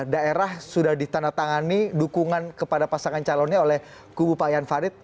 tujuh puluh delapan daerah sudah ditandatangani dukungan kepada pasangan calonnya oleh kubu pak yan fadli